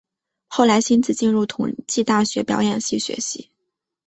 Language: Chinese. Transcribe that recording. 后来馨子进入同济大学表演系学习。